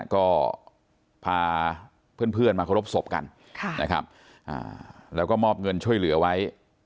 ก็พาเพื่อนมาเคารพศพกันนะครับแล้วก็มอบเงินช่วยเหลือไว้